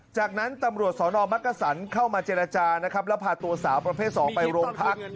จากนั้นตำรวจสนมักกษันเข้ามาเจรจานะครับแล้วพาตัวสาวประเภท๒ไปโรงพัก